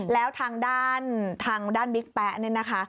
แล้วทางด้านบิ๊กแป๊ะนี่นะคะ